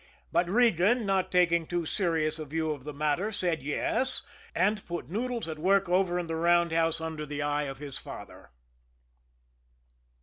But Regan, not taking too serious a view of the matter, said yes, and put Noodles at work over in the roundhouse under the eye of his father.